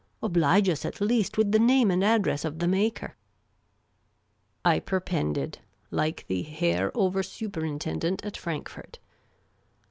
Oblige us at least with the name and address of the maker." I perpended — like the Herr Over Superintendent at Frank fort.